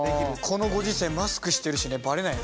このご時世マスクしてるしねバレない。